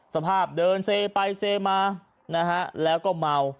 สภาพเดินเซไปเซมานะฮะแล้วก็เมา